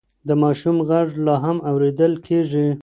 د ماشوم غږ لا هم اورېدل کېږي.